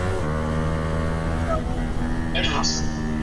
我不會哭！我不會哭！